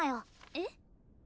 えっ？